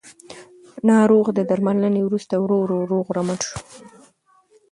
ناروغ د درملنې وروسته ورو ورو روغ رمټ شو